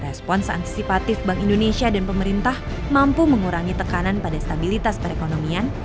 respons antisipatif bank indonesia dan pemerintah mampu mengurangi tekanan pada stabilitas perekonomian